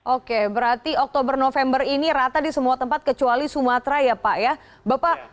oke berarti oktober november ini rata di semua tempat kecuali sumatera ya pak ya